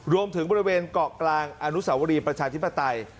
รวมถึงบริเวณเกาะกลางอนุสาวรีประชาธิปไตย